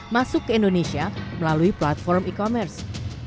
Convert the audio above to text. masuk ke indonesia melalui platform e commerce